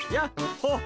ほっ！